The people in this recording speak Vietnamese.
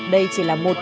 đây chỉ là một lần